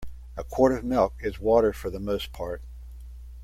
A quart of milk is water for the most part.